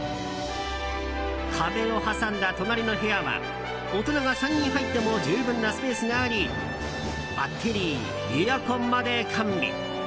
壁を挟んだ隣の部屋は大人が３人入っても十分なスペースがありバッテリー、エアコンまで完備。